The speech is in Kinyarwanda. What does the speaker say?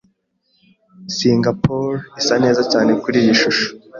Singapore isa neza cyane kuriyi shusho.